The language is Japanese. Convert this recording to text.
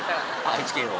愛知県を？